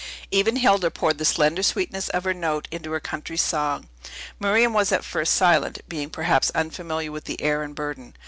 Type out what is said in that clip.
Even Hilda poured the slender sweetness of her note into her country's song. Miriam was at first silent, being perhaps unfamiliar with the air and burden.